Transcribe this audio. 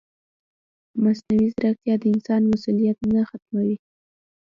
مصنوعي ځیرکتیا د انسان مسؤلیت نه ختموي.